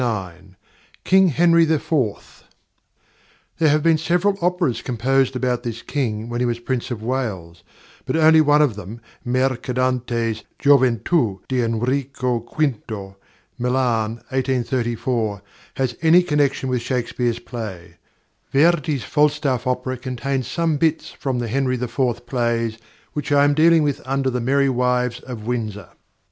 KING HENRY IV There have been several operas composed about this King when he was Prince of Wales, but only one of them, +Mercadante's+ Gioventu di Enrico V., Milan, 1834, has any connection with Shakespeare's play. Verdi's Falstaff opera contains some bits from the Henry IV. plays which I am dealing with under The Merry Wives of Windsor.